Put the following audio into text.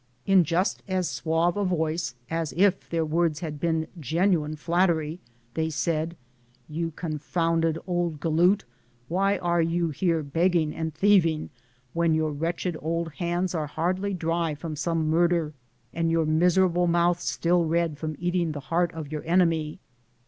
In just as suave a voice as if their words had been genuine flattery, they said, " You confounded old galoot, why are you here begging and thieving, when your wretched old hands are hardly dry from some murder, and your miserable mouth still red from eating the heart of your enemy?"